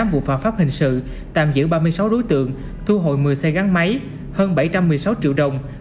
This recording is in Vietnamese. hai mươi tám vụ phản pháp hình sự tạm giữ ba mươi sáu đối tượng thu hội một mươi xe gắn máy hơn bảy trăm một mươi sáu triệu đồng